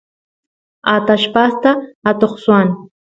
atallpasta atoq swan